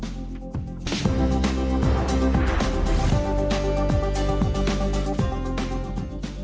มาฟังกันในช้านี้ต้องรู้